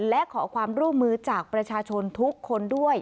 และขอความร่วมมือจากประชาชนทุกคนด้วย